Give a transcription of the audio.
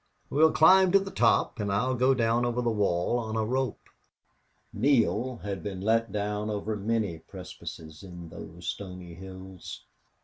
"We'll climb to the top and I'll go down over the wall on a rope." Neale had been let down over many precipices in those stony hills.